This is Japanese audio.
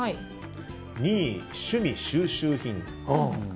２位、趣味・収集品。